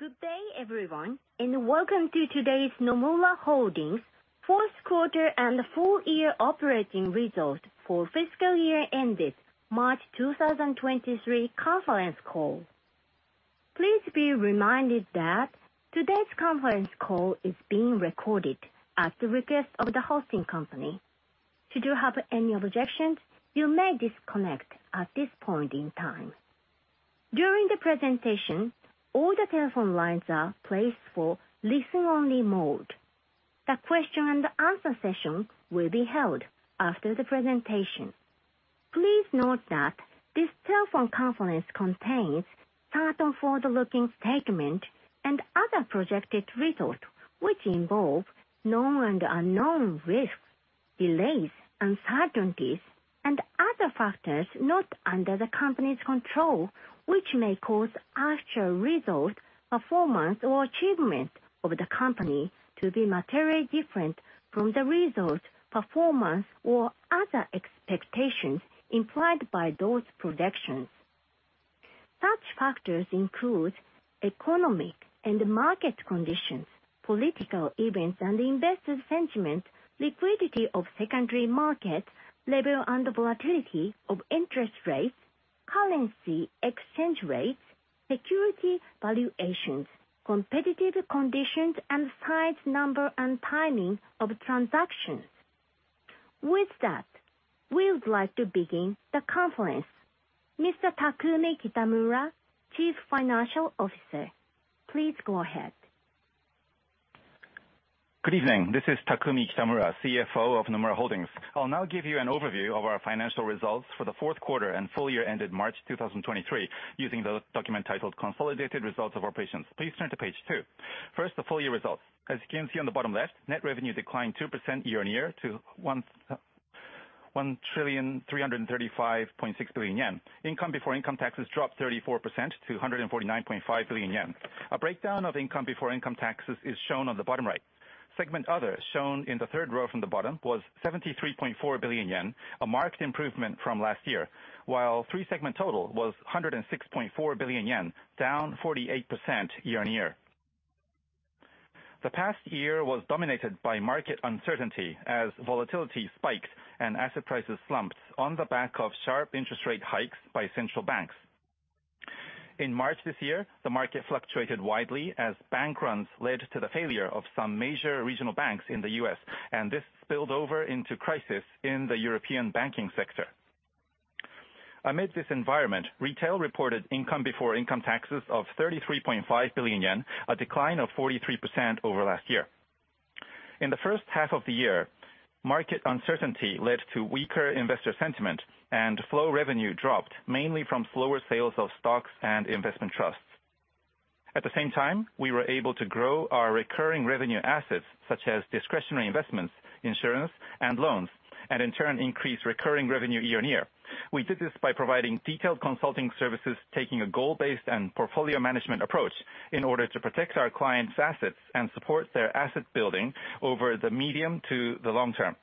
Good day, everyone, welcome to today's Nomura Holdings fourth quarter and the full-year operating results for fiscal year-ended March 2023 conference call. Please be reminded that today's conference call is being recorded at the request of the hosting company. Should you have any objections, you may disconnect at this point in time. During the presentation, all the telephone lines are placed for listen-only mode. The question-and-answer session will be held after the presentation. Please note that this telephone conference contains certain forward-looking statement and other projected results, which involve known and unknown risks, delays, uncertainties, and other factors not under the company's control, which may cause actual results, performance, or achievements of the company to be materially different from the results, performance, or other expectations implied by those projections. Such factors include economic and market conditions, political events and investor sentiment, liquidity of secondary markets, level and volatility of interest rates, currency exchange rates, security valuations, competitive conditions, and size, number, and timing of transactions. With that, we would like to begin the conference. Mr. Takumi Kitamura, Chief Financial Officer, please go ahead. Good evening. This is Takumi Kitamura, CFO of Nomura Holdings. I'll now give you an overview of our financial results for the fourth quarter and full-year ended March 2023 using the document titled Consolidated Results Operations. Please turn to Page 2. First, the full-year results. As you can see on the bottom left, net revenue declined 2% year-on-year to 1,335.6 billion yen. Income before income taxes dropped 34% to 149.5 billion yen. A breakdown of income before income taxes is shown on the bottom right. Segment other, shown in the third row from the bottom, was 73.4 billion yen, a marked improvement from last year, while three-segment total was 106.4 billion yen, down 48% year-on-year. The past year was dominated by market uncertainty as volatility spiked and asset prices slumped on the back of sharp interest rate hikes by central banks. In March this year, the market fluctuated widely as bank runs led to the failure of some major regional banks in the U.S. This spilled over into crisis in the European banking sector. Amid this environment, Retail reported income before income taxes of 33.5 billion yen, a decline of 43% over last year. In the first half of the year, market uncertainty led to weaker investor sentiment. Flow revenue dropped mainly from slower sales of stocks and investment trusts. At the same time, we were able to grow our recurring revenue assets such as discretionary investments, insurance, and loans. In turn, increase recurring revenue year-on-year. We did this by providing detailed consulting services, taking a goal-based and portfolio management approach in order to protect our clients' assets and support their asset building over the medium to the long-term.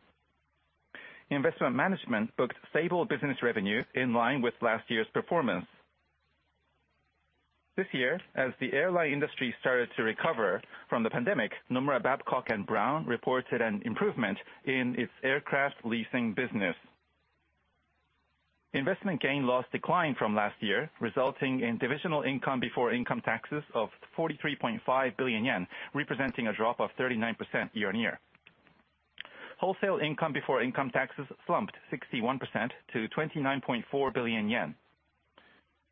Investment management booked stable business revenue in line with last year's performance. This year, as the Airline industry started to recover from the pandemic, Nomura Babcock & Brown reported an improvement in its Aircraft Leasing business. Investment gain loss declined from last year, resulting in divisional income before income taxes of 43.5 billion yen, representing a drop of 39% year-on-year. Wholesale income before income taxes slumped 61% to 29.4 billion yen.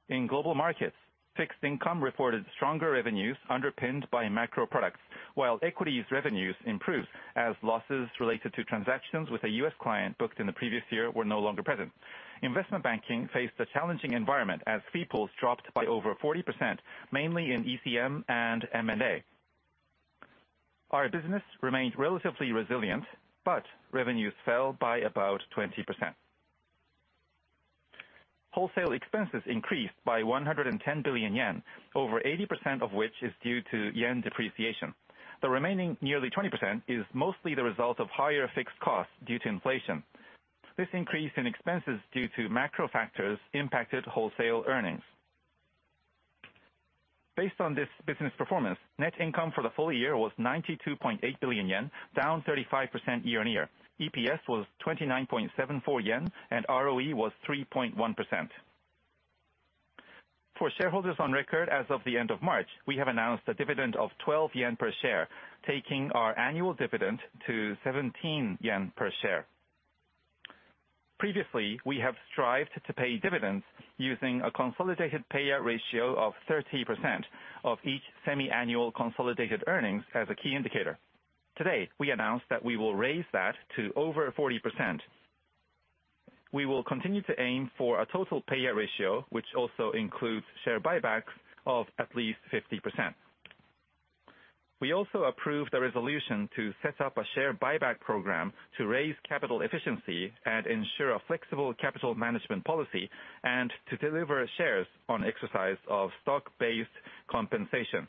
In Global Markets, fixed income reported stronger revenues underpinned by macro products, while equities revenues improved as losses related to transactions with a U.S. client booked in the previous year were no longer present. Investment banking faced a challenging environment as fee pools dropped by over 40%, mainly in ECM and M&A. Our business remained relatively resilient, revenues fell by about 20%. Wholesale expenses increased by 110 billion yen, over 80% of which is due to yen depreciation. The remaining nearly 20% is mostly the result of higher fixed costs due to inflation. This increase in expenses due to macro factors impacted wholesale earnings. Based on this business performance, net income for the full-year was 92.8 billion yen, down 35% year-on-year. EPS was 29.74 yen, and ROE was 3.1%. For shareholders on record as of the end of March, we have announced a dividend of 12 yen per share, taking our annual dividend to 17 yen per share. Previously, we have strived to pay dividends using a consolidated payout ratio of 30% of each semi-annual consolidated earnings as a key indicator. Today, we announced that we will raise that to over 40%. We will continue to aim for a total payout ratio, which also includes share buybacks, of at least 50%. We also approved a resolution to set up a share buyback program to raise capital efficiency and ensure a flexible capital management policy and to deliver shares on exercise of stock-based compensation.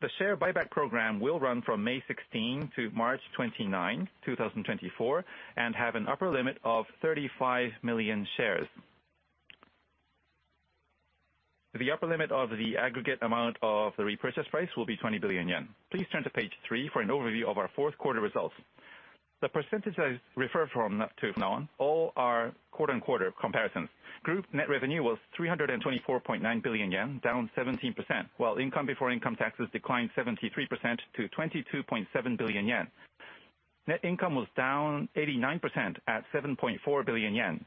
The share buyback program will run from May 16-arch 29, 2024 and have an upper limit of 35 million shares. The upper limit of the aggregate amount of the repurchase price will be 20 billion yen. Please turn to page 3 for an overview of our fourth quarter results. The percentages referred from, to from now on, all are quarter-on-quarter comparisons. Group net revenue was 324.9 billion yen, down 17%, while income before income taxes declined 73% to 22.7 billion yen. Net income was down 89% at 7.4 billion yen.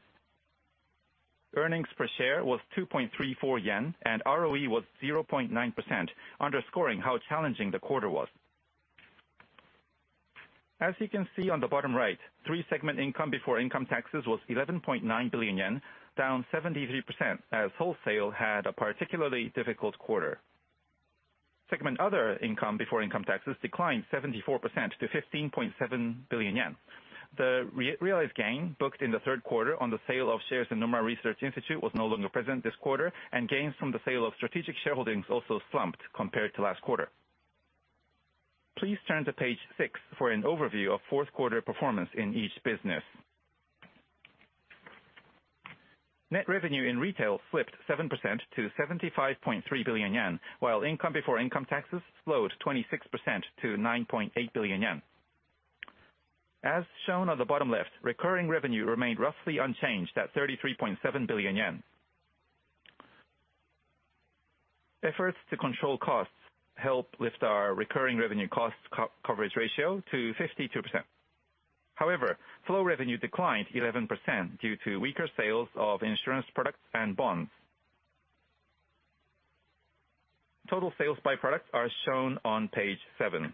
Earnings per share was 2.34 yen, and ROE was 0.9%, underscoring how challenging the quarter was. As you can see on the bottom right, three-segment income before income taxes was 11.9 billion yen, down 73%, as wholesale had a particularly difficult quarter. Segment other income before income taxes declined 74% to 15.7 billion yen. The re-realized gain booked in the third quarter on the sale of shares in Nomura Research Institute was no longer present this quarter, and gains from the sale of strategic shareholdings also slumped compared to last quarter. Please turn to Page 6 for an overview of fourth quarter performance in each business. Net revenue in retail slipped 7% to 75.3 billion yen, while income before income taxes slowed 26% to 9.8 billion yen. As shown on the bottom left, recurring revenue remained roughly unchanged at 33.7 billion yen. Efforts to control costs helped lift our recurring revenue cost coverage ratio to 52%. Flow revenue declined 11% due to weaker sales of insurance products and bonds. Total sales by product are shown on page 7.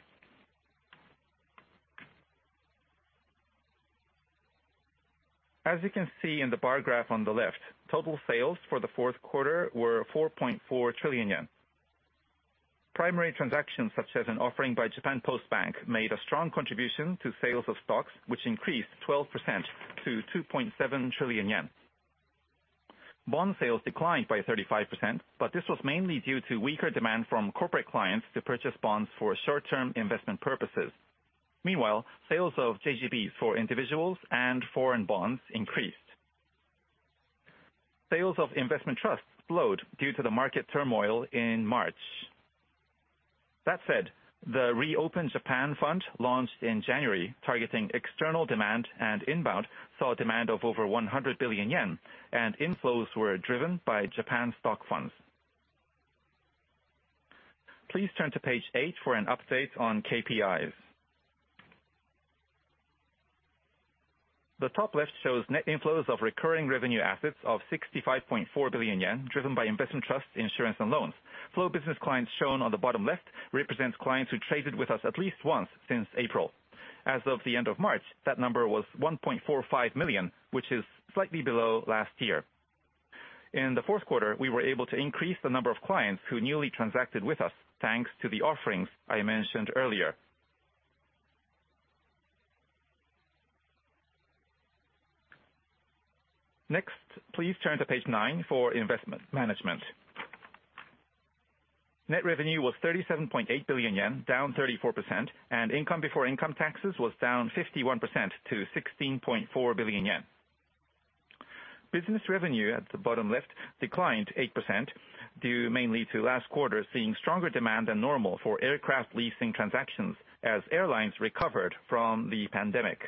As you can see in the bar graph on the left, total sales for the fourth quarter were 4.4 trillion yen. Primary transactions such as an offering by Japan Post Bank made a strong contribution to sales of stocks, which increased 12% to 2.7 trillion yen. Bond sales declined by 35%. This was mainly due to weaker demand from corporate clients to purchase bonds for short-term investment purposes. Meanwhile, sales of JGBs for individuals and foreign bonds increased. Sales of investment trusts slowed due to the market turmoil in March. That said, the Reopen Japan Fund, launched in January targeting external demand and inbound, saw demand of over 100 billion yen, and inflows were driven by Japan stock funds. Please turn to Page 8 for an update on KPIs. The top left shows net inflows of recurring revenue assets of 65.4 billion yen, driven by investment trusts, insurance, and loans. Flow business clients shown on the bottom left represents clients who traded with us at least once since April. As of the end of March, that number was 1.45 million, which is slightly below last year. In the fourth quarter, we were able to increase the number of clients who newly transacted with us, thanks to the offerings I mentioned earlier. Next, please turn to Page 9 for Investment Management. Net revenue was 37.8 billion yen, down 34%, and income before income taxes was down 51% to 16.4 billion yen. Business revenue at the bottom left declined 8% due mainly to last quarter seeing stronger demand than normal for aircraft leasing transactions as Airlines recovered from the pandemic.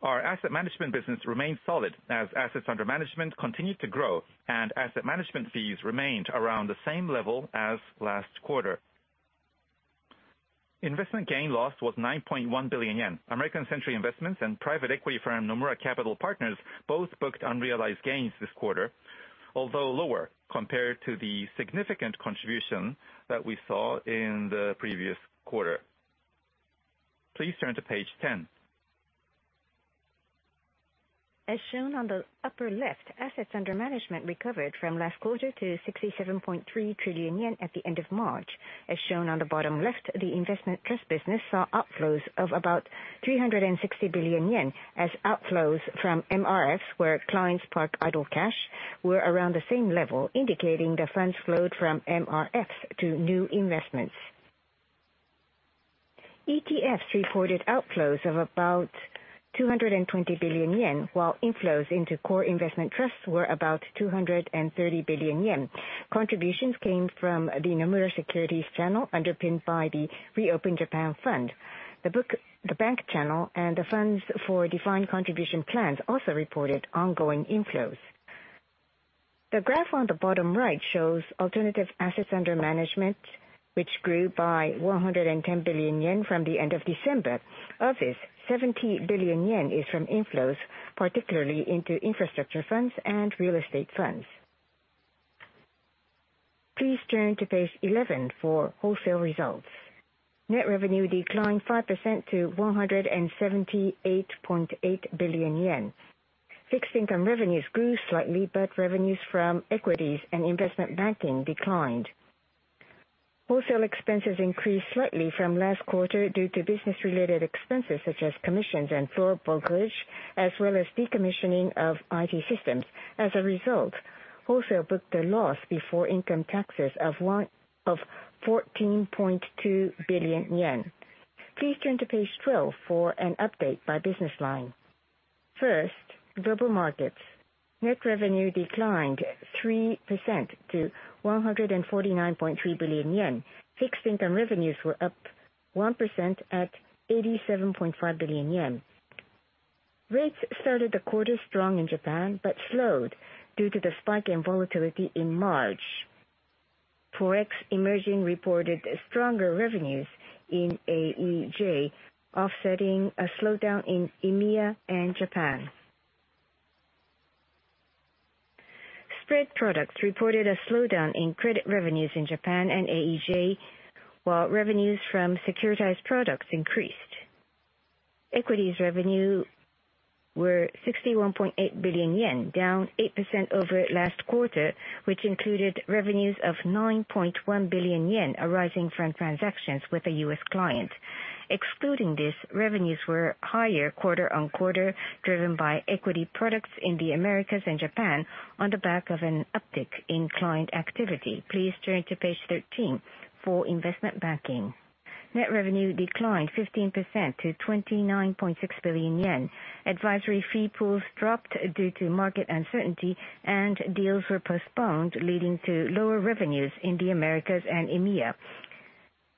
Our Asset Management business remained solid as assets under management continued to grow and Asset Management fees remained around the same level as last quarter. Investment gain loss was 9.1 billion yen. American Century Investments and private equity firm Nomura Capital Partners both booked unrealized gains this quarter, although lower compared to the significant contribution that we saw in the previous quarter. Please turn to Page 10. As shown on the upper left, assets under management recovered from last quarter to 67.3 trillion yen at the end of March. As shown on the bottom left, the investment trust business saw outflows of about 360 billion yen as outflows from MRFs where clients park idle cash were around the same level, indicating the funds flowed from MRFs to new investments. ETFs reported outflows of about 220 billion yen, while inflows into core investment trusts were about 230 billion yen. Contributions came from the Nomura Securities channel underpinned by the Reopen Japan Fund. The bank channel and the funds for defined contribution plans also reported ongoing inflows. The graph on the bottom right shows alternative assets under management, which grew by 110 billion yen from the end of December. Of this, 70 billion yen is from inflows, particularly into infrastructure funds and real estate funds. Please turn to Page 11 for wholesale results. Net revenue declined 5% to 178.8 billion yen. Fixed income revenues grew slightly, but revenues from equities and investment banking declined. Wholesale expenses increased slightly from last quarter due to business related expenses such as commissions and floor brokerage, as well as decommissioning of IT systems. As a result, wholesale booked a loss before income taxes of 14.2 billion yen. Please turn to Page 12 for an update by business line. First, Global Markets. Net revenue declined 3% to 149.3 billion yen. Fixed income revenues were up 1% at 87.5 billion yen. Rates started the quarter strong in Japan, slowed due to the spike in volatility in March. Forex reported stronger revenues in AEJ, offsetting a slowdown in EMEA and Japan. Spread products reported a slowdown in credit revenues in Japan and AEJ, while revenues from securitized products increased. Equities revenue were 61.8 billion yen, down 8% over last quarter, which included revenues of 9.1 billion yen arising from transactions with a U.S. client. Excluding this, revenues were higher quarter-on-quarter, driven by equity products in the Americas and Japan on the back of an uptick in client activity. Please turn to Page 13 for investment banking. Net revenue declined 15% to 29.6 billion yen. Advisory fee pools dropped due to market uncertainty, deals were postponed, leading to lower revenues in the Americas and EMEA.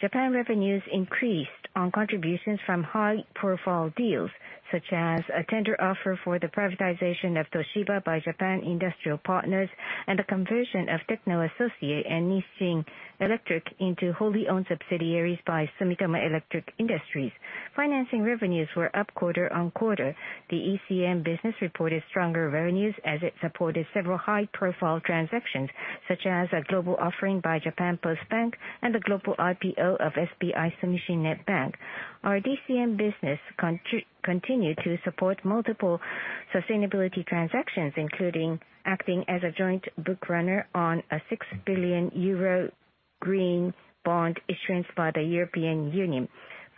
Japan revenues increased on contributions from high-profile deals such as a tender offer for the privatization of Toshiba by Japan Industrial Partners and the conversion of TECHNO ASSOCIE and Nissin Electric into wholly owned subsidiaries by Sumitomo Electric Industries. Financing revenues were up quarter-on-quarter. The ECM business reported stronger revenues as it supported several high-profile transactions, such as a global offering by Japan Post Bank and the global IPO of SBI Sumishin Net Bank. Our DCM business continue to support multiple sustainability transactions, including acting as a joint bookrunner on a 6 billion euro green bond issuance by the European Union.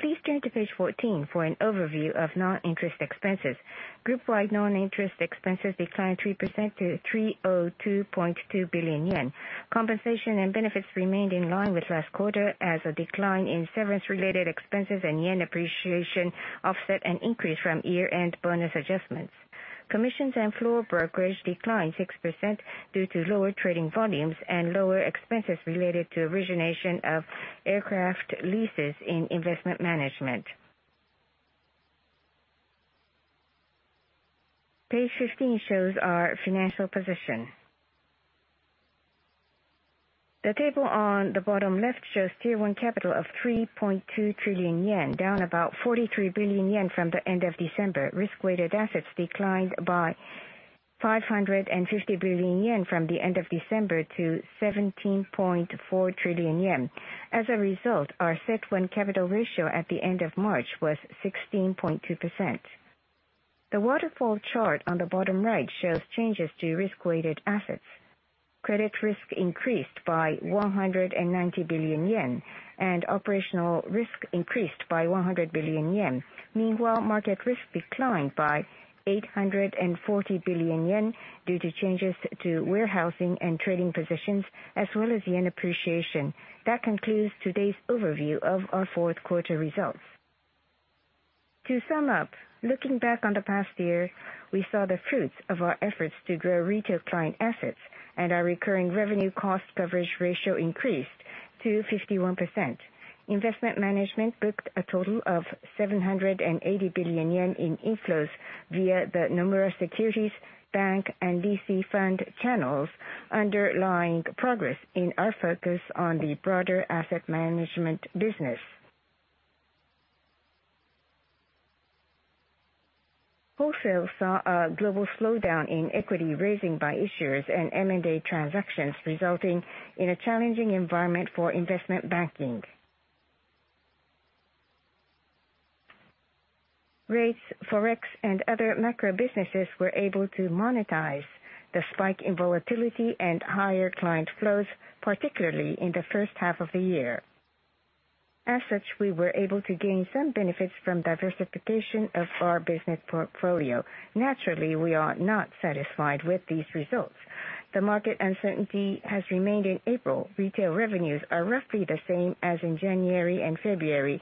Please turn to Page 14 for an overview of non-interest expenses. Group-wide non-interest expenses declined 3% to 302.2 billion yen. Compensation and benefits remained in line with last quarter as a decline in severance-related expenses and yen appreciation offset an increase from year-end bonus adjustments. Commissions and floor brokerage declined 6% due to lower trading volumes and lower expenses related to origination of aircraft leases in Investment Management. Page 15 shows our financial position. The table on the bottom left shows Tier 1 capital of 3.2 trillion yen, down about 43 billion yen from the end of December. Risk-weighted assets declined by 550 billion yen from the end of December to 17.4 trillion yen. As a result, our CET1 capital ratio at the end of March was 16.2%. The waterfall chart on the bottom right shows changes to risk-weighted assets. Credit risk increased by 190 billion yen, and operational risk increased by 100 billion yen. Meanwhile, market risk declined by 840 billion yen due to changes to warehousing and trading positions as well as yen appreciation. That concludes today's overview of our fourth quarter results. To sum up, looking back on the past year, we saw the fruits of our efforts to grow retail client assets, and our recurring revenue cost coverage ratio increased to 51%. Investment management booked a total of 780 billion yen in inflows via the Nomura Securities, bank, and DC fund channels, underlying progress in our focus on the broader asset management business. Wholesale saw a global slowdown in equity raising by issuers and M&A transactions, resulting in a challenging environment for investment banking. Rates, Forex, and other macro businesses were able to monetize the spike in volatility and higher client flows, particularly in the first half of the year. As such, we were able to gain some benefits from diversification of our business portfolio. Naturally, we are not satisfied with these results. The market uncertainty has remained in April. Retail revenues are roughly the same as in January and February.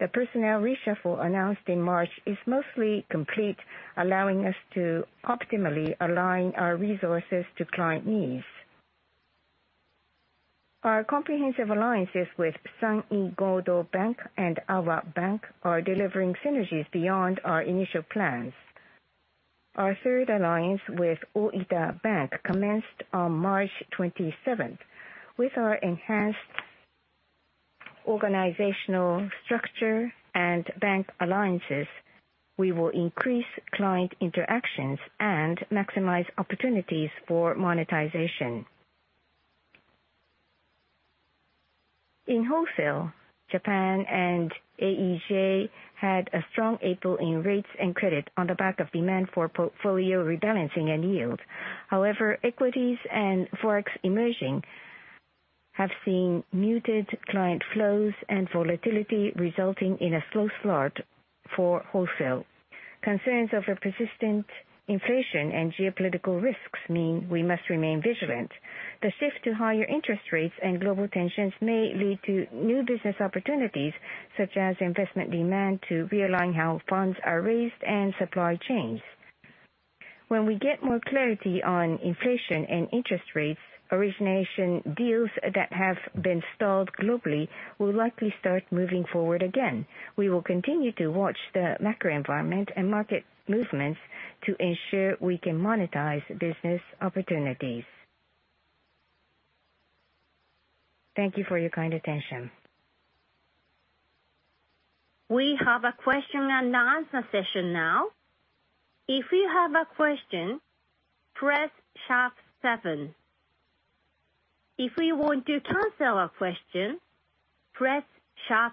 The personnel reshuffle announced in March is mostly complete, allowing us to optimally align our resources to client needs. Our comprehensive alliances with San-in Godo Bank and Awa Bank are delivering synergies beyond our initial plans. Our third alliance with commenced on March 27th. With our enhanced organizational structure and bank alliances, we will increase client interactions and maximize opportunities for monetization. In wholesale, Japan and AEJ had a strong April in rates and credit on the back of demand for portfolio rebalancing and yield. However, equities and Forex. Have seen muted client flows and volatility resulting in a slow start for wholesale. Concerns over persistent inflation and geopolitical risks mean we must remain vigilant. The shift to higher interest rates and global tensions may lead to new business opportunities, such as investment demand to realign how funds are raised and supply chains. When we get more clarity on inflation and interest rates, origination deals that have been stalled globally will likely start moving forward again. We will continue to watch the macro environment and market movements to ensure we can monetize business opportunities. Thank you for your kind attention. We have a question-and-answer session now. If you have a question, press Sharp seven. If you want to cancel a question, press Sharp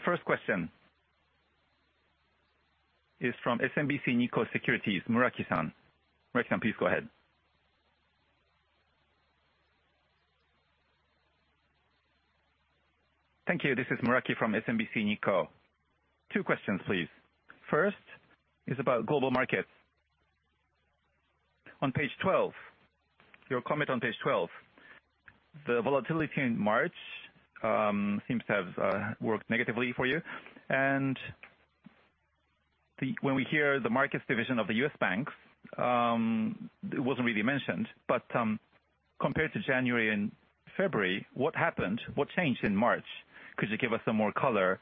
seven. The first question is from SMBC Nikko Securities, Muraki Masao. Muraki Masao, please go ahead. Thank you. This is Muraki from SMBC Nikko. Two questions, please. First is about Global Markets. On Page 12, your comment on Page 12, the volatility in March seems to have worked negatively for you. When we hear the markets division of the U.S. bank, it wasn't really mentioned, but compared to January and February, what happened? What changed in March? Could you give us some more color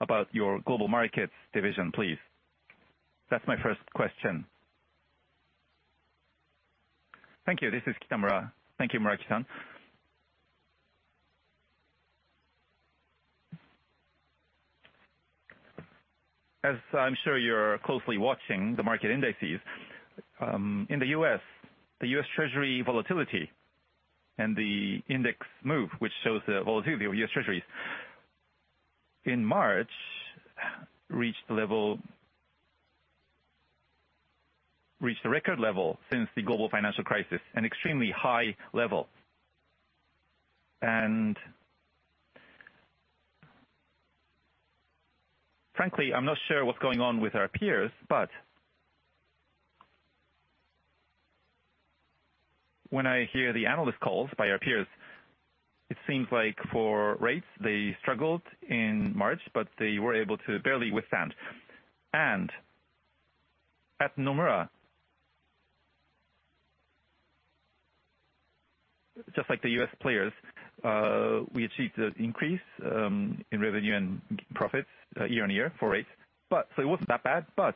about your Global Markets Division, please? That's my first question. Thank you. This is Kitamura. Thank you, Muraki Masao. As I'm sure you're closely watching the market indices, in the U.S., the U.S. Treasury volatility and the MOVE index, which shows the volatility of U.S. Treasuries, in March reached the level Reached the record level since the global financial crisis, an extremely high level. Frankly, I'm not sure what's going on with our peers, but when I hear the analyst calls by our peers, it seems like for rates, they struggled in March, but they were able to barely withstand. At Nomura, just like the U.S. players, we achieved an increase in revenue and profits year-on-year for rates. It wasn't that bad, but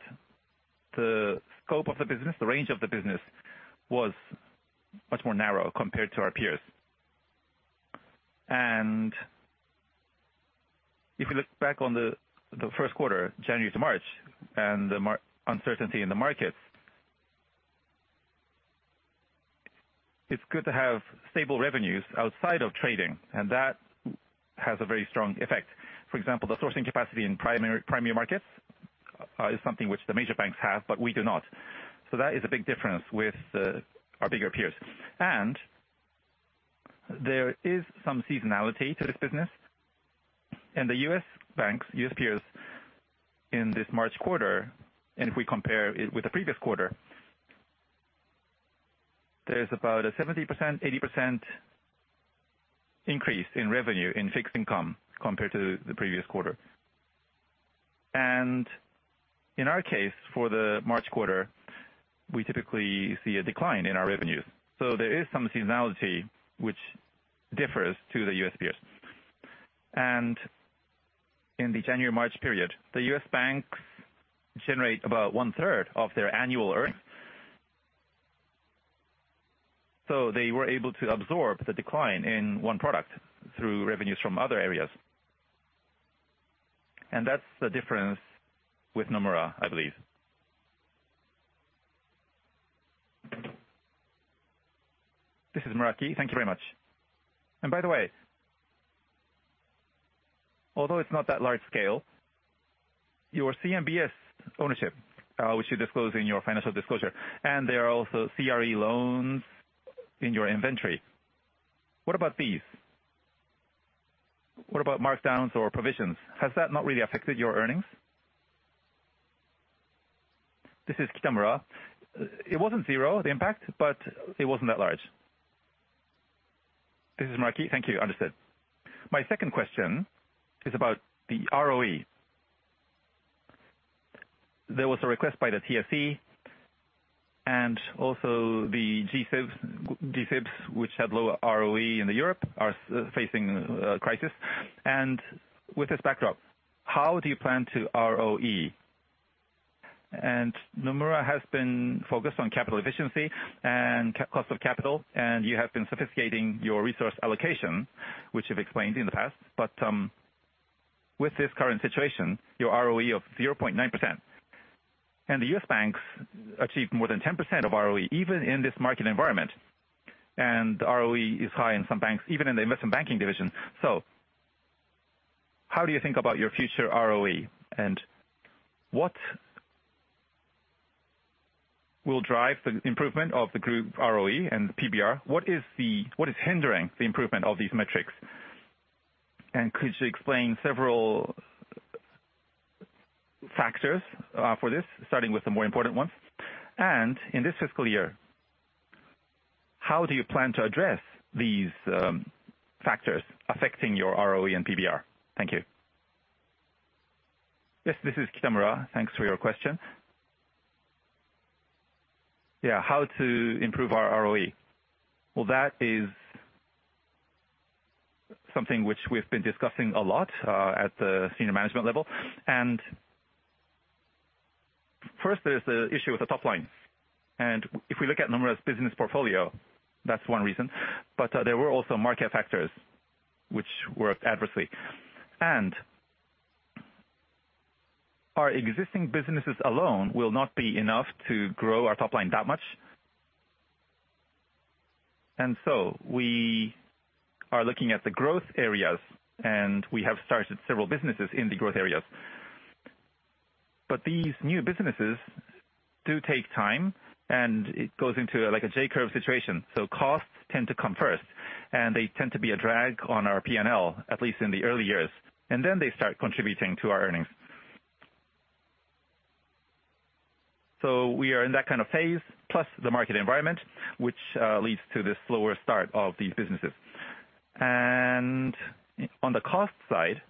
the scope of the business, the range of the business was much more narrow compared to our peers. If you look back on the first quarter, January to March, and the uncertainty in the markets, it's good to have stable revenues outside of trading, and that has a very strong effect. For example, the sourcing capacity in primary markets, is something which the major banks have, but we do not. That is a big difference with our bigger peers. There is some seasonality to this business. In the U.S. banks, U.S. peers in this March quarter, if we compare it with the previous quarter, there's about a 70%, 80% increase in revenue in fixed income compared to the previous quarter. In our case, for the March quarter, we typically see a decline in our revenues. There is some seasonality which differs to the U.S. peers. In the January-March period, the U.S. banks generate about 1/3 of their annual earnings. They were able to absorb the decline in one product through revenues from other areas. That's the difference with Nomura, I believe. This is Muraki. Thank you very much. By the way, although it's not that large scale, your CMBS ownership, which you disclose in your financial disclosure, and there are also CRE loans in your inventory. What about these? What about markdowns or provisions? Has that not really affected your earnings? This is Kitamura. It wasn't zero, the impact, but it wasn't that large. This is Muraki. Thank you. Understood. My second question is about the ROE. There was a request by the TSE and also the G-SIBs, which had lower ROE in the Europe, are facing a crisis. With this backdrop, how do you plan to ROE? Nomura has been focused on capital efficiency and cost of capital, and you have been sophisticating your resource allocation, which you've explained in the past. With this current situation, your ROE of 0.9%, the U.S. banks achieved more than 10% of ROE even in this market environment. ROE is high in some banks, even in the investment banking division. How do you think about your future ROE? What will drive the improvement of the group ROE and PBR? What is hindering the improvement of these metrics? Could you explain several factors for this, starting with the more important ones? In this fiscal year, how do you plan to address these factors affecting your ROE and PBR? Thank you. Yes, this is Kitamura. Thanks for your question. How to improve our ROE? Well, that is something which we've been discussing a lot at the senior management level. First, there's the issue with the top line. If we look at Nomura's business portfolio, that's one reason, there were also market factors which worked adversely. Our existing businesses alone will not be enough to grow our top line that much. We are looking at the growth areas, and we have started several businesses in the growth areas. These new businesses do take time, and it goes into, like, a J-curve situation. Costs tend to come first, and they tend to be a drag on our P&L, at least in the early years, and then they start contributing to our earnings. We are in that kind of phase, plus the market environment, which leads to the slower start of these businesses. On the cost side,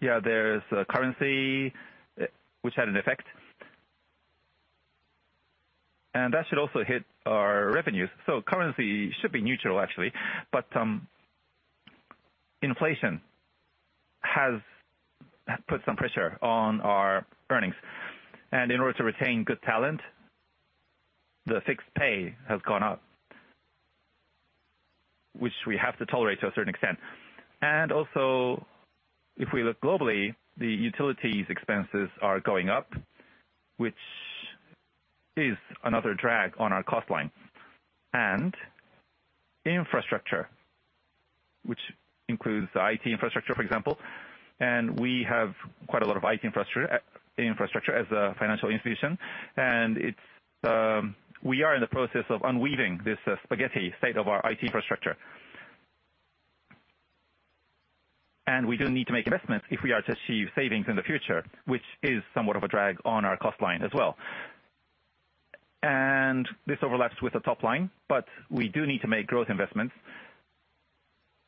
yeah, there's currency which had an effect. That should also hit our revenues. Currency should be neutral, actually, but inflation has put some pressure on our earnings. In order to retain good talent, the fixed pay has gone up, which we have to tolerate to a certain extent. If we look globally, the utilities expenses are going up, which is another drag on our cost line. Infrastructure, which includes the IT infrastruct`ure, for example, and we have quite a lot of IT infrastructure as a financial institution. We are in the process of unweaving this spaghetti state of our IT infrastructure. We do need to make investments if we are to achieve savings in the future, which is somewhat of a drag on our cost line as well. This overlaps with the top line, but we do need to make growth investments,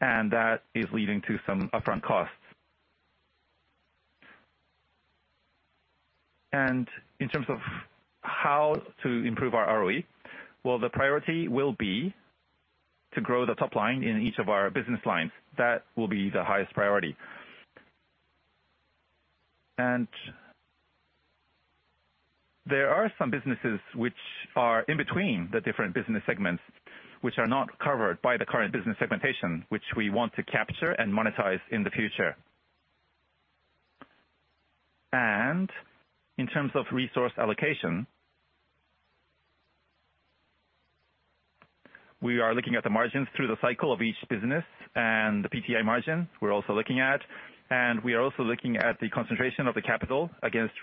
and that is leading to some upfront costs. In terms of how to improve our ROE, well, the priority will be to grow the top line in each of our business lines. That will be the highest priority. There are some businesses which are in between the different business segments, which are not covered by the current business segmentation, which we want to capture and monetize in the future. In terms of resource allocation, we are looking at the margins through the cycle of each business and the PTI margin, we're also looking at. We are also looking at the concentration of the capital against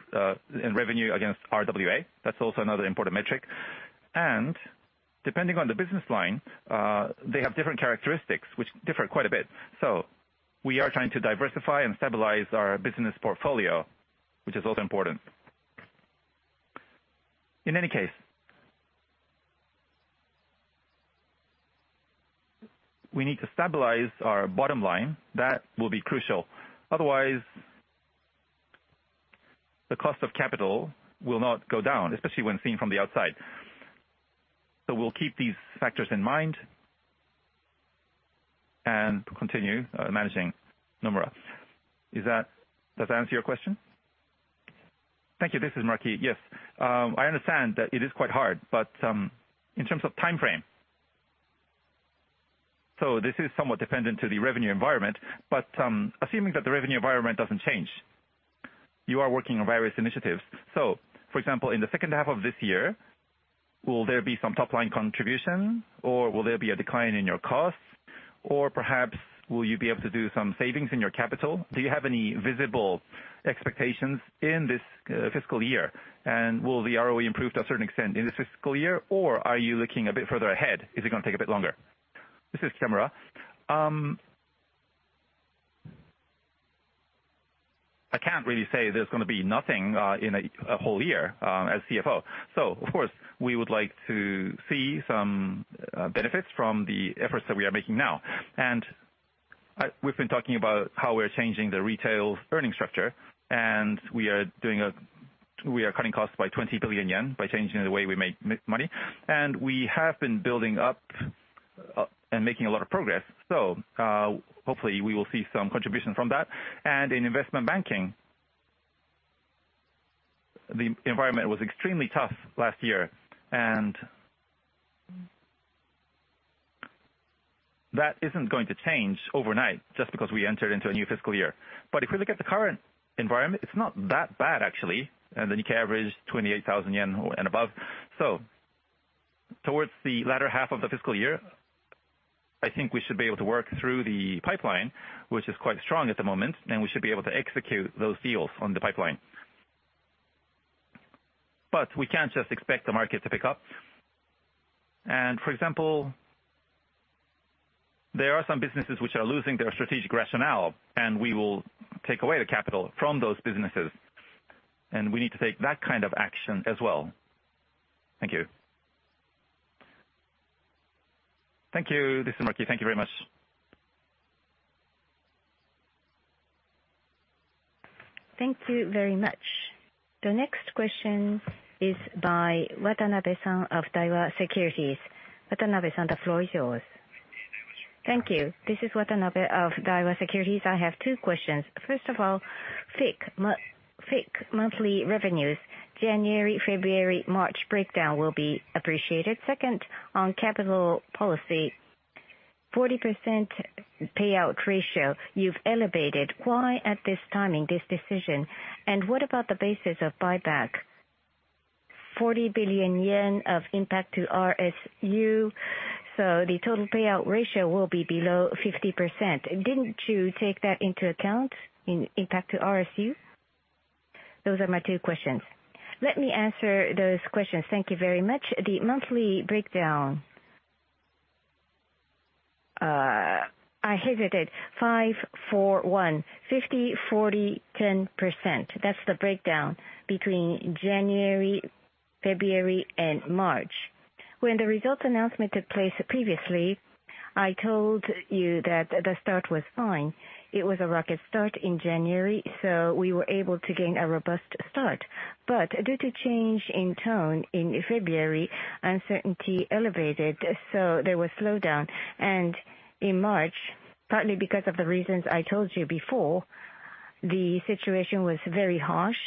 in revenue against RWA. That's also another important metric. Depending on the business line, they have different characteristics which differ quite a bit. We are trying to diversify and stabilize our business portfolio, which is also important. In any case, we need to stabilize our bottom line. That will be crucial. Otherwise, the cost of capital will not go down, especially when seen from the outside. We'll keep these factors in mind and continue managing Nomura. Does that answer your question? Thank you. This is Muraki. Yes. I understand that it is quite hard, but in terms of timeframe, this is somewhat dependent to the revenue environment, but assuming that the revenue environment doesn't change, you are working on various initiatives. For example, in the second half of this year, will there be some top-line contribution, or will there be a decline in your costs? Perhaps will you be able to do some savings in your capital? Do you have any visible expectations in this fiscal year? Will the ROE improve to a certain extent in this fiscal year, or are you looking a bit further ahead? Is it gonna take a bit longer? This is Kitamura. I can't really say there's gonna be nothing in a whole year as CFO. Of course, we would like to see some benefits from the efforts that we are making now. We've been talking about how we're changing the retail earning structure, and we are cutting costs by 20 billion yen by changing the way we make money. We have been building up and making a lot of progress. Hopefully we will see some contribution from that. In investment banking, the environment was extremely tough last year, and that isn't going to change overnight just because we entered into a new fiscal year. If we look at the current environment, it's not that bad, actually, and then you can average 28,000 yen or, and above. Towards the latter half of the fiscal year, I think we should be able to work through the pipeline, which is quite strong at the moment, and we should be able to execute those deals on the pipeline. We can't just expect the market to pick up. For example, there are some businesses which are losing their strategic rationale, and we will take away the capital from those businesses, and we need to take that kind of action as well. Thank you. Thank you, Kitamura. Thank you very much. Thank you very much. The next question is by Watanabe Kazuki of Daiwa Securities. Watanabe-san, the floor is yours. Thank you. This is Watanabe of Daiwa Securities. I have two questions. First of all, FIC monthly revenues, January, February, March breakdown will be appreciated. Second, on capital policy, 40% payout ratio, you've elevated. Why at this time in this decision? What about the basis of buyback? 40 billion yen of impact to RSU, so the total payout ratio will be below 50%. Didn't you take that into account in impact to RSU? Those are my two questions. Let me answer those questions. Thank you very much. The monthly breakdown. I hesitate. 5, 4, 1. 50%, 40%, 10%. That's the breakdown between January, February, and March. When the results announcement took place previously, I told you that the start was fine. It was a rocket start in January. We were able to gain a robust start. Due to change in tone in February, uncertainty elevated. There was slowdown. In March, partly because of the reasons I told you before, the situation was very harsh.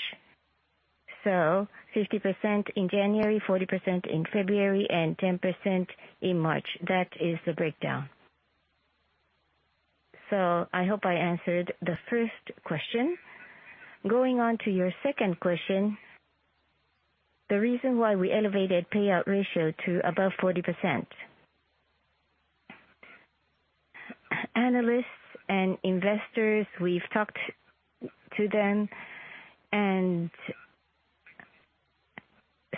50% in January, 40% in February, and 10% in March. That is the breakdown. I hope I answered the first question. Going on to your second question, the reason why we elevated payout ratio to above 40%. Analysts and investors, we've talked to them, and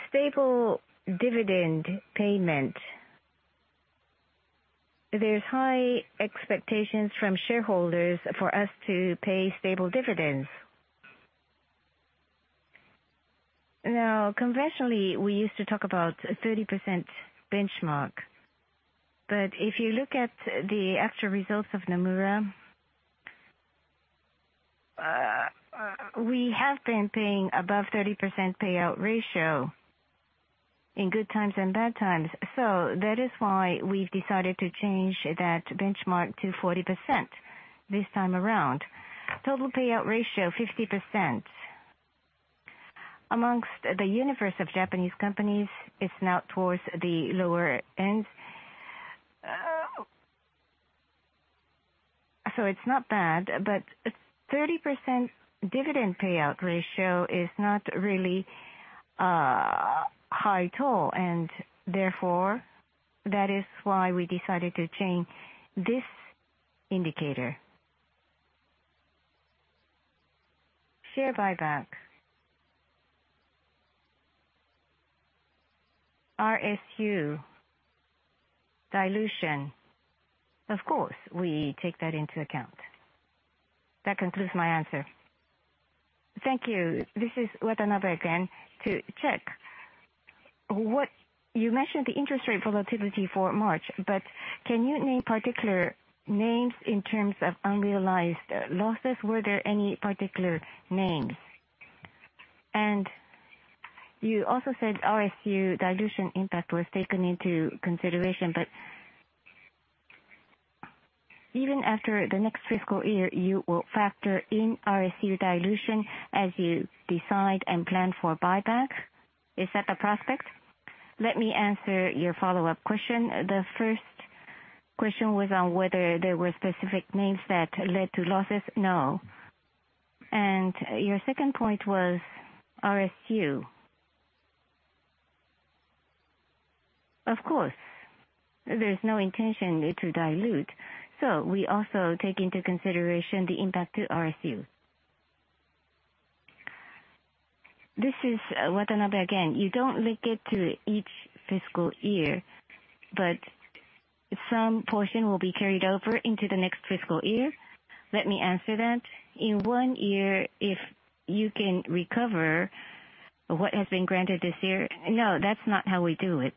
stable dividend payment. There's high expectations from shareholders for us to pay stable dividends. Conventionally, we used to talk about a 30% benchmark, but if you look at the actual results of Nomura, we have been paying above 30% payout ratio in good times and bad times. That is why we've decided to change that benchmark to 40% this time around. Total payout ratio, 50%. Amongst the universe of Japanese companies, it's now towards the lower end. It's not bad, but 30% dividend payout ratio is not really a high toll, that is why we decided to change this indicator. Share buyback. RSU dilution. Of course, we take that into account. That concludes my answer. Thank you. This is Watanabe again. To check what you mentioned the interest rate volatility for March, can you name particular names in terms of unrealized losses? Were there any particular names? You also said RSU dilution impact was taken into consideration, even after the next fiscal year, you will factor in RSU dilution as you decide and plan for buyback. Is that the prospect? Let me answer your follow-up question. The first question was on whether there were specific names that led to losses. No. Your second point was RSU. Of course, there's no intention to dilute, so we also take into consideration the impact to RSU. This is Watanabe again. You don't link it to each fiscal year, but some portion will be carried over into the next fiscal year? Let me answer that. In one year, if you can recover what has been granted this year? No, that's not how we do it.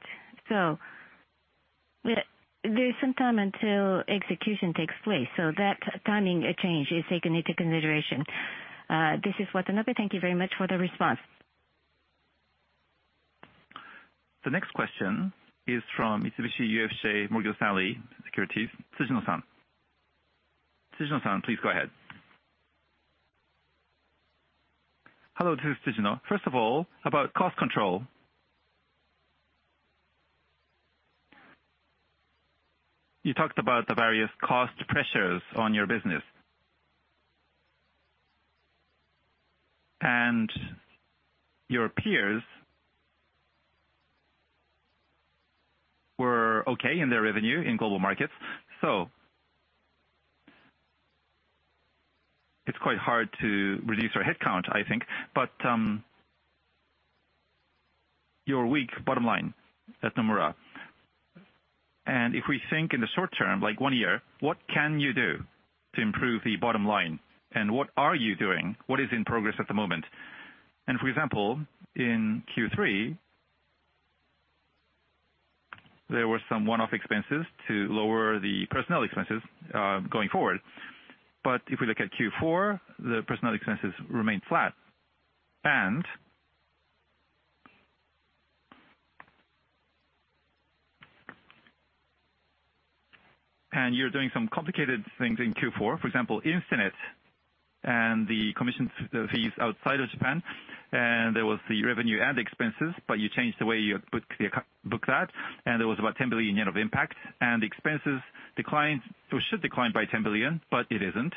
There's some time until execution takes place, so that timing change is taken into consideration. This is Watanabe. Thank you very much for the response. The next question is from Mitsubishi UFJ Morgan Stanley Securities, Natsumu Natsumu. Tsujino Natsum, please go ahead. Hello, this is Tsujino. First of all, about cost control. You talked about the various cost pressures on your business. Your peers were okay in their revenue in Global Markets. It's quite hard to reduce our head count, I think. Your weak bottom line at Nomura, if we think in the short-term, like one year, what can you do to improve the bottom line? What are you doing? What is in progress at the moment? For example, in Q3, there were some one-off expenses to lower the personnel expenses going forward. If we look at Q4, the personnel expenses remained flat. You're doing some complicated things in Q4, for example, Instinet and the commission fees outside of Japan, and there was the revenue and expenses, but you changed the way you book that, and there was about 10 billion yen of impact. The expenses declined. So it should decline by 10 billion, but it isn't.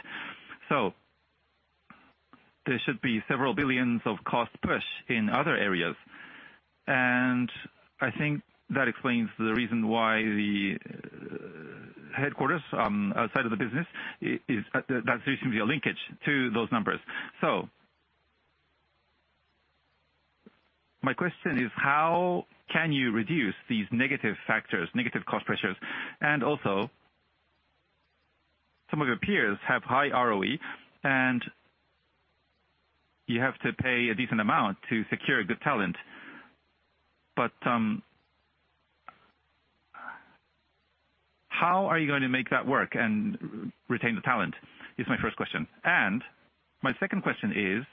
There should be several billion yen of cost push in other areas. I think that explains the reason why the headquarters, outside of the business is, that's recently a linkage to those numbers. My question is how can you reduce these negative factors, negative cost pressures? Also, some of your peers have high ROE, and you have to pay a decent amount to secure good talent. But, how are you going to make that work and retain the talent? Is my first question. My second question is,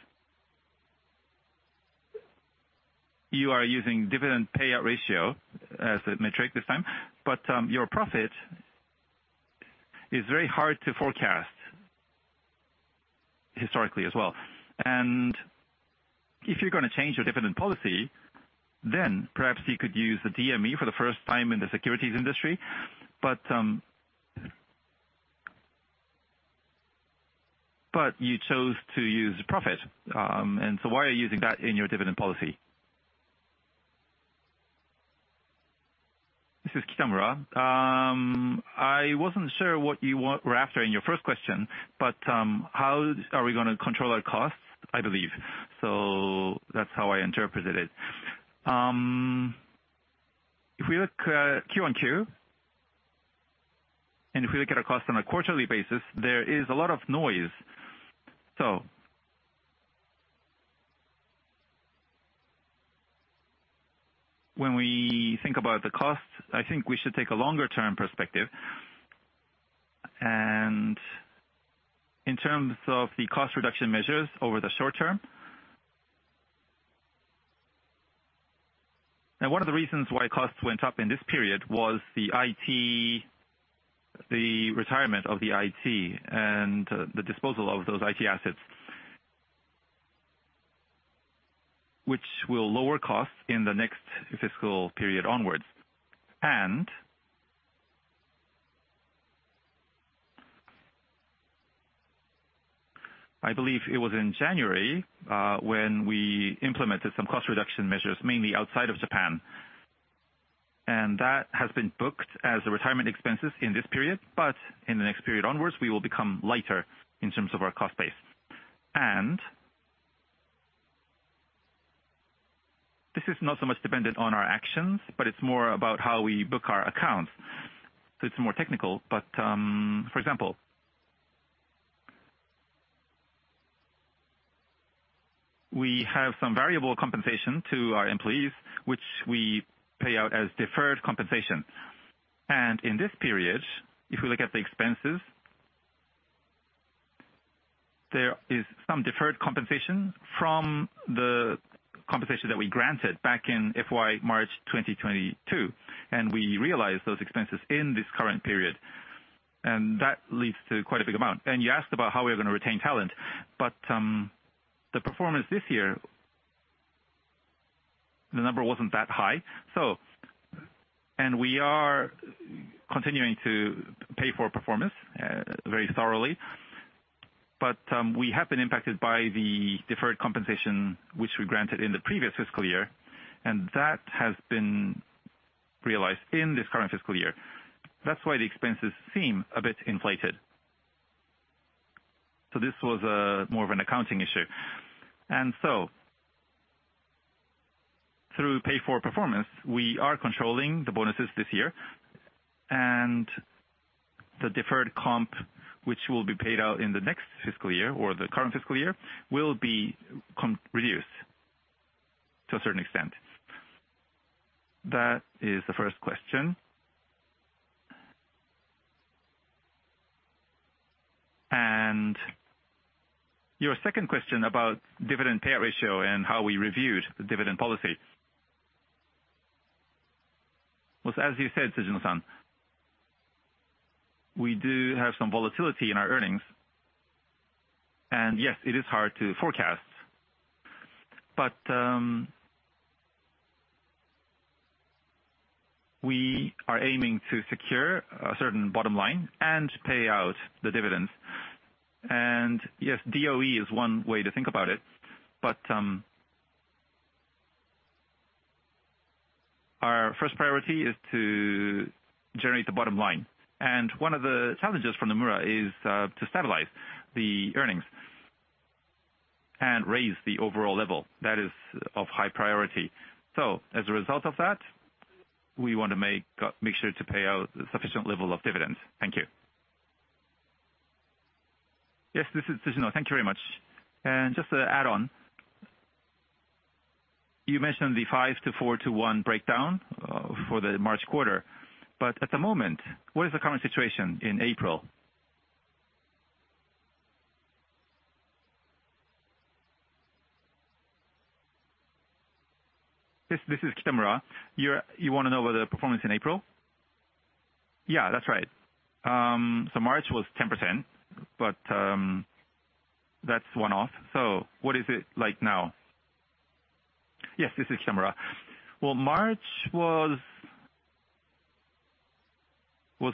you are using dividend payout ratio as a metric this time, your profit is very hard to forecast historically as well. If you're gonna change your dividend policy, perhaps you could use the DME for the first time in the securities industry. You chose to use profit. Why are you using that in your dividend policy? This is Kitamura. I wasn't sure what you were after in your first question, how are we gonna control our costs, I believe. That's how I interpreted it. If we look Q on Q, if we look at our cost on a quarterly basis, there is a lot of noise. When we think about the cost, I think we should take a longer-term perspective. In terms of the cost reduction measures over the short-term. One of the reasons why costs went up in this period was the IT, the retirement of the IT and the disposal of those IT assets, which will lower costs in the next fiscal period onwards. I believe it was in January when we implemented some cost reduction measures, mainly outside of Japan, and that has been booked as retirement expenses in this period, but in the next period onwards, we will become lighter in terms of our cost base. This is not so much dependent on our actions, but it's more about how we book our accounts. It's more technical, but, for example, we have some variable compensation to our employees, which we pay out as deferred compensation. In this period, if we look at the expenses, there is some deferred compensation from the compensation that we granted back in FY March 2022, and we realized those expenses in this current period, and that leads to quite a big amount. You asked about how we are gonna retain talent, but the performance this year, the number wasn't that high. We are continuing to pay for performance very thoroughly, but we have been impacted by the deferred compensation, which we granted in the previous fiscal year, and that has been realized in this current fiscal year. That's why the expenses seem a bit inflated. This was more of an accounting issue. Through pay for performance, we are controlling the bonuses this year, and the deferred comp, which will be paid out in the next fiscal year or the current fiscal year, will be reduced to a certain extent. That is the first question. Your second question about dividend payout ratio and how we reviewed the dividend policy. Was as you said, Tsujino Natsumu, we do have some volatility in our earnings. Yes, it is hard to forecast. We are aiming to secure a certain bottom line and pay out the dividends. Yes, DOE is one way to think about it, but our first priority is to generate the bottom line. One of the challenges for Nomura is to stabilize the earnings and raise the overall level. That is of high priority. As a result of that, we want to make sure to pay out a sufficient level of dividends. Thank you. Yes, this is Tsujino. Thank you very much. Just to add on. You mentioned the 5 to 4 to 1 breakdown for the March quarter, at the moment, what is the current situation in April? Yes, this is Kitamura. You wanna know about the performance in April? Yeah, that's right. March was 10%, but that's one-off. What is it like now? Yes, this is Kitamura. Well, March was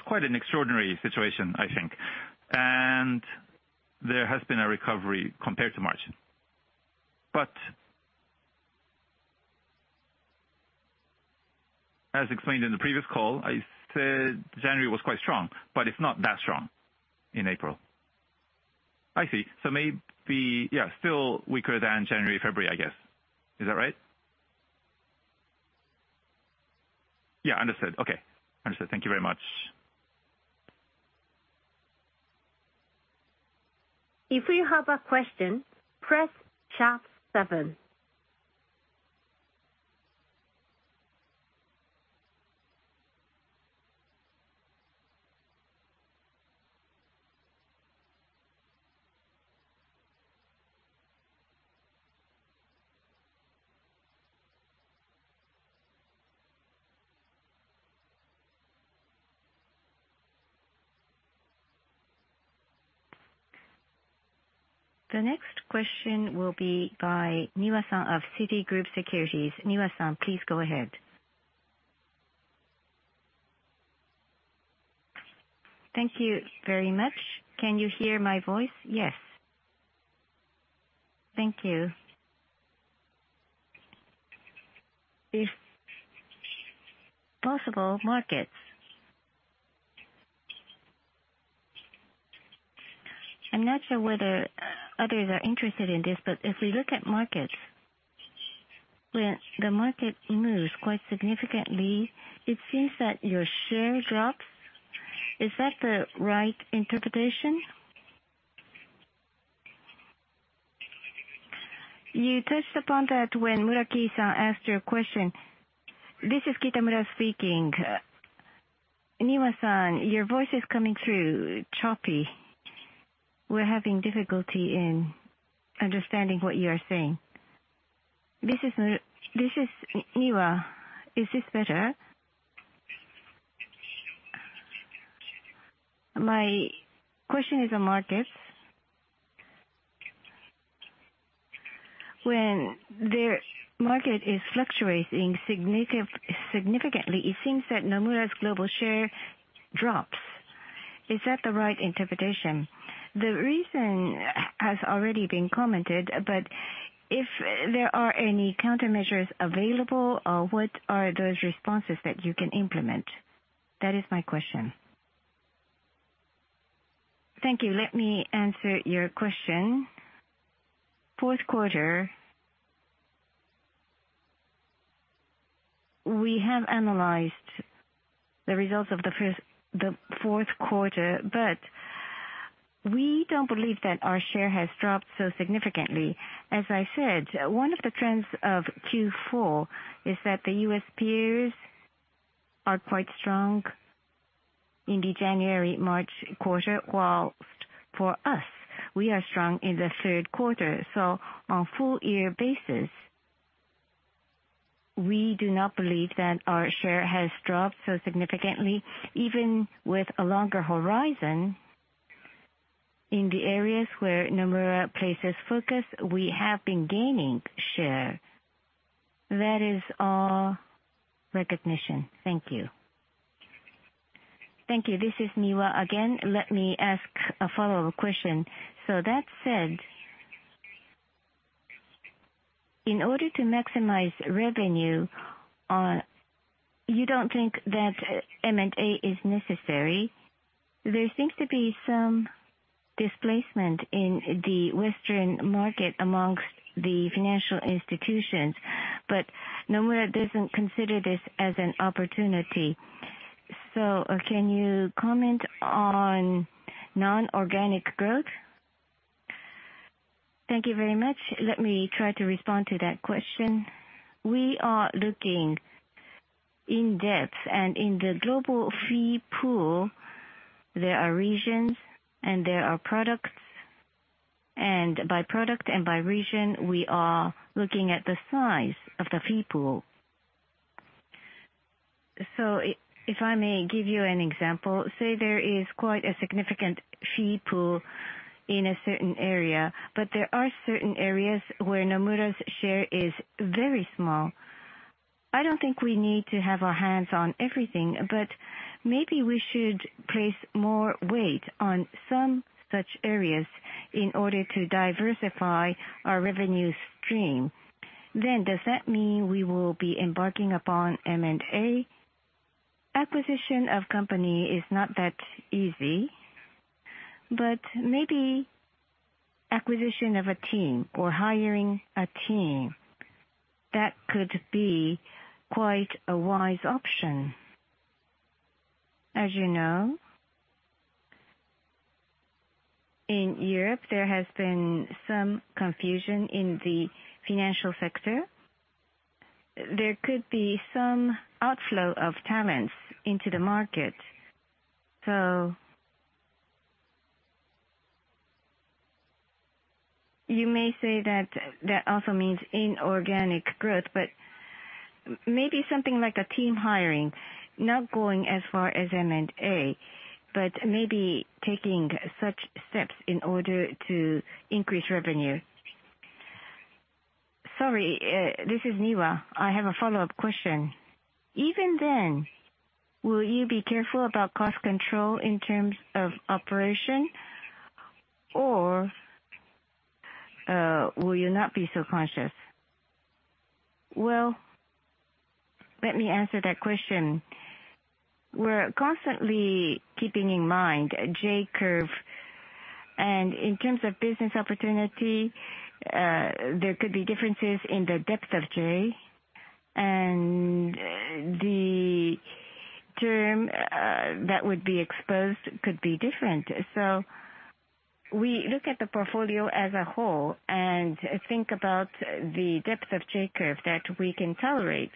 quite an extraordinary situation I think. There has been a recovery compared to March. As explained in the previous call, I said January was quite strong, but it's not that strong in April. I see. Maybe still weaker than January, February, I guess. Is that right? Yeah. Understood. Okay. Understood. Thank you very much. If you have a question, press Sharp seven. The next question will be by Miwa-san of Citigroup Securities. Niwa-san, please go ahead. Thank you very much. Can you hear my voice? Yes. Thank you. If possible, markets. I'm not sure whether others are interested in this, but if we look at markets, when the market moves quite significantly, it seems that your share drops. Is that the right interpretation? You touched upon that when Muraki-san asked you a question. This is Kitamura speaking. Niwa-san, your voice is coming through choppy. We're having difficulty in understanding what you are saying. This is Niwa. Is this better? My question is on markets. When the market is fluctuating significantly, it seems that Nomura's global share drops. Is that the right interpretation? The reason has already been commented, if there are any countermeasures available, what are those responses that you can implement? That is my question. Thank you. Let me answer your question. Fourth quarter, we have analyzed the results of the fourth quarter. We don't believe that our share has dropped so significantly. As I said, one of the trends of Q4 is that the U.S. peers are quite strong in the January–March quarter, whilst for us, we are strong in the third quarter. On full year basis, we do not believe that our share has dropped so significantly. Even with a longer horizon in the areas where Nomura places focus, we have been gaining share. That is our recognition. Thank you. Thank you. This is Niwa again. Lert me ask a follow up question. That said, in order to maximize revenue, you don't think that M&A is necessary. There seems to be some displacement in the Western market amongst the financial institutions, but Nomura doesn't consider this as an opportunity. Can you comment on non-organic growth? Thank you very much. Let me try to respond to that question. We are looking in depth and in the global fee pool, there are regions and there are products, and by product and by region, we are looking at the size of the fee pool. If I may give you an example, say there is quite a significant fee pool in a certain area, but there are certain areas where Nomura's share is very small. I don't think we need to have our hands on everything, but maybe we should place more weight on some such areas in order to diversify our revenue stream. Does that mean we will be embarking upon M&A? Acquisition of company is not that easy, but maybe acquisition of a team or hiring a team, that could be quite a wise option. As you know, in Europe, there has been some confusion in the financial sector. There could be some outflow of talents into the market. You may say that that also means inorganic growth, but maybe something like a team hiring, not going as far as M&A, but maybe taking such steps in order to increase revenue. Sorry, this is Niwa. I have a follow-up question. Even then, will you be careful about cost control in terms of operation or, will you not be so conscious? Let me answer that question. We're constantly keeping in mind J-curve, and in terms of business opportunity, there could be differences in the depth of J and the term, that would be exposed could be different. We look at the portfolio as a whole and think about the depth of J-curve that we can tolerate.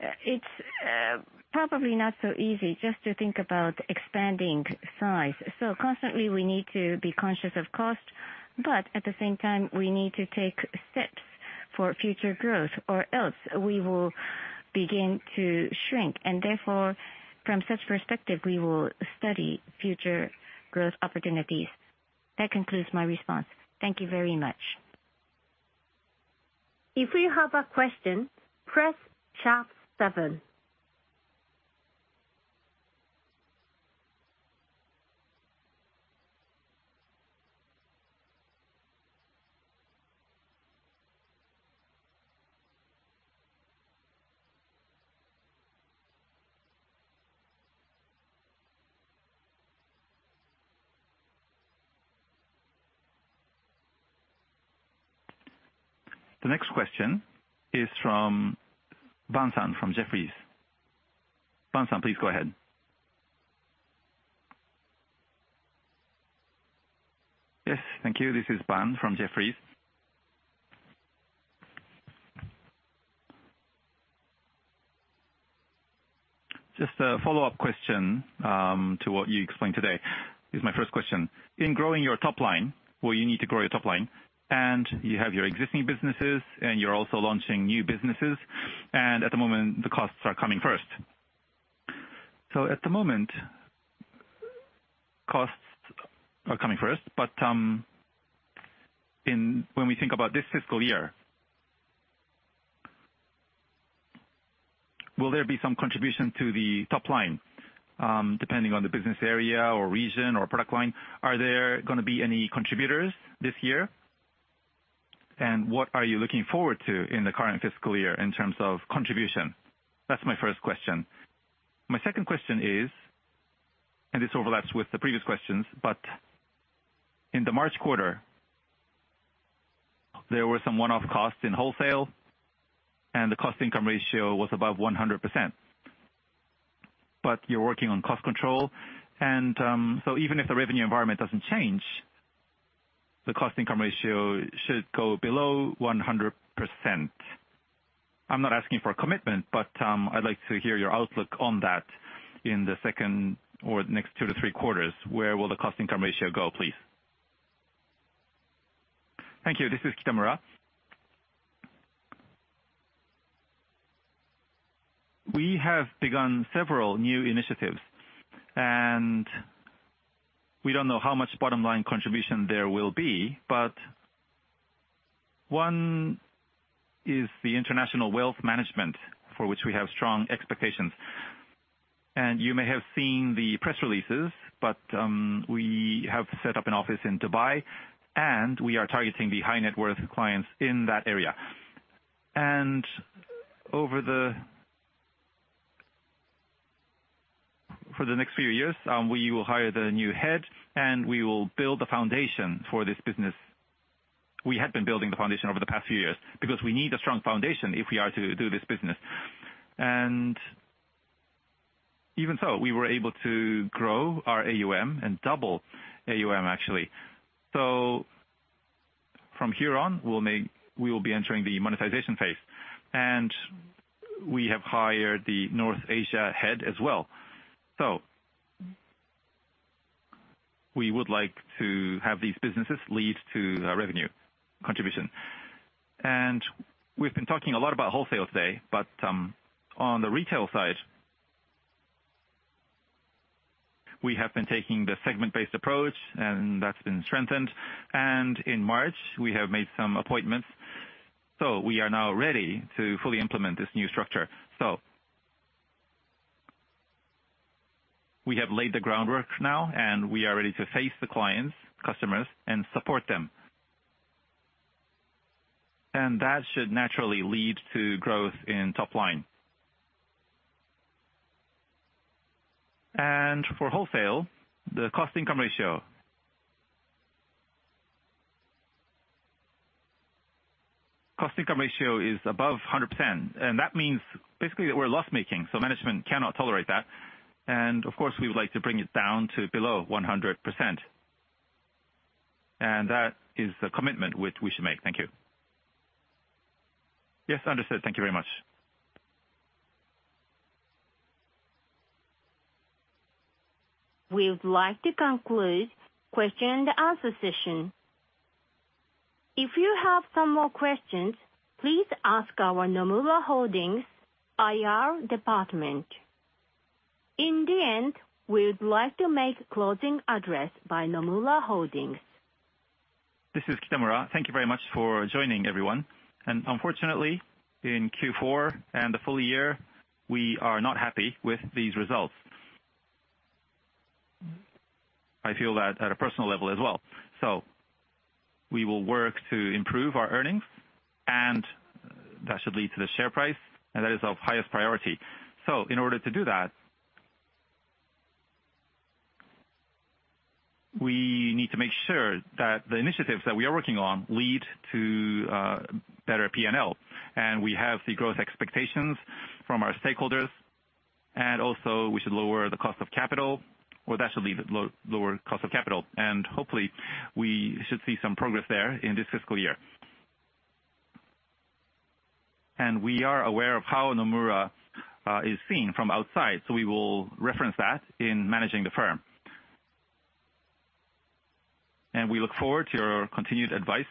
It's probably not so easy just to think about expanding size. Constantly we need to be conscious of cost, but at the same time, we need to take steps for future growth, or else we will begin to shrink and therefore, from such perspective, we will study future growth opportunities. That concludes my response. Thank you very much. If you have a question, press Sharp seven. The next question is from Pham Thanh Ha from Jefferies.Pham Thanh please go ahead. Yes. Thank you. This is Pham Thanh Jefferies. Just a follow-up question, to what you explained today is my first question. In growing your top line, where you need to grow your top line, you have your existing businesses and you're also launching new businesses, at the moment, the costs are coming first. At the moment, costs are coming first, but when we think about this fiscal year, will there be some contribution to the top line, depending on the business area or region or product line? Are there gonna be any contributors this year? What are you looking forward to in the current fiscal year in terms of contribution? That's my first question. My second question is, and this overlaps with the previous questions, but in the March quarter, there were some one-off costs in wholesale and the cost-to-income ratio was above 100%. You're working on cost control and, so even if the revenue environment doesn't change, the cost-to-income ratio should go below 100%. I'm not asking for a commitment, but I'd like to hear your outlook on that in the second or next 2-3 quarters. Where will the cost-to-income ratio go, please? Thank you. This is Kitamura. We have begun several new initiatives, and we don't know how much bottom line contribution there will be, but one is the international wealth management, for which we have strong expectations. You may have seen the press releases, but, we have set up an office in Dubai, and we are targeting the high net worth clients in that area. Over the next few years, we will hire the new head, and we will build the foundation for this business. We have been building the foundation over the past few years because we need a strong foundation if we are to do this business. Even so, we were able to grow our AUM and double AUM actually. From here on, we will be entering the monetization phase, and we have hired the North Asia head as well. We would like to have these businesses lead to revenue contribution. We've been talking a lot about wholesale today, but on the retail side, we have been taking the segment-based approach, and that's been strengthened. In March, we have made some appointments, so we are now ready to fully implement this new structure. We have laid the groundwork now, and we are ready to face the clients, customers and support them. That should naturally lead to growth in top line. For wholesale, the cost-to-income ratio. Cost-to-income ratio is above 100%, and that means basically that we're loss-making, so management cannot tolerate that. Of course, we would like to bring it down to below 100%. That is the commitment which we should make. Thank you. Yes, understood. Thank you very much. We would like to conclude question-and-answer session. If you have some more questions, please ask our Nomura Holdings IR department. In the end, we would like to make closing address by Nomura Holdings. This is Kitamura. Thank you very much for joining everyone. Unfortunately, in Q4 and the full-year, we are not happy with these results. I feel that at a personal level as well. We will work to improve our earnings, and that should lead to the share price, and that is of highest priority. In order to do that, we need to make sure that the initiatives that we are working on lead to better P&L, and we have the growth expectations from our stakeholders. We should lower the cost of capital or that should lead to lower cost of capital, and hopefully, we should see some progress there in this fiscal year. We are aware of how Nomura is seen from outside, so we will reference that in managing the firm. We look forward to your continued advice.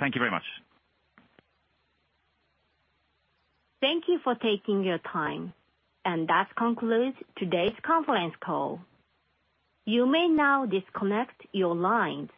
Thank you very much. Thank you for taking your time, and that concludes today's conference call. You may now disconnect your lines.